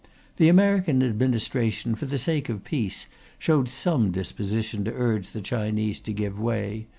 The American Administration, for the sake of peace, showed some disposition to urge the Chinese to give way.